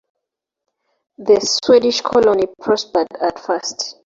The Swedish colony prospered at first.